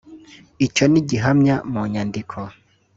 Icyo ni gihamya mu nyandiko